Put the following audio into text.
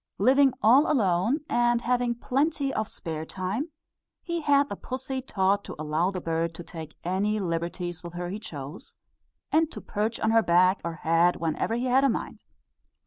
Living all alone, and having plenty of spare time, he had the pussy taught to allow the bird to take any liberties with her he chose, and to perch on her back or head whenever he had a mind.